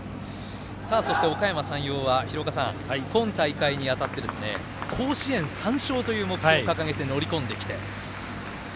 そして、おかやま山陽は今大会にあたって甲子園３勝という目標を掲げて乗り込んできて。